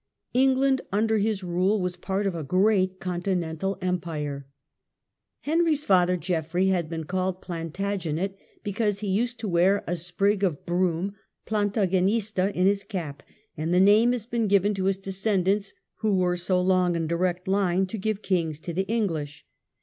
England under his rule was part of a great continental empire. Henry's father, Geoffrey, had been called Plantagenet, because he used to wear a sprig of broom (planta genista) in his cap, and the name has been given to his descen dants, who were so long in direct line to give kings to the English.